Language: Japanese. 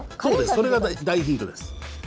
それが大ヒントです。